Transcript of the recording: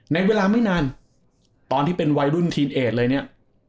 ในเวลาไม่นานตอนที่เป็นวัยรุ่นทีนเอดเลยเนี่ย